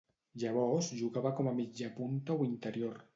Llavors jugava com mitjapunta o interior.